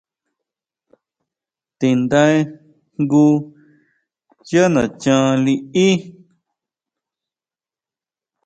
Tindae jngu yá nachan liʼí.